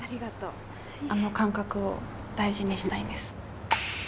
あの感覚を大事にしたいんです。